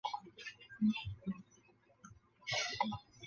废弃的飞机则被移交至联邦资产管理企业进行出售。